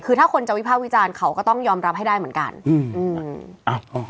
คือถ้าคนจะวิภาควิจารณ์เขาก็ต้องยอมรับให้ได้เหมือนกันอืมอ้าว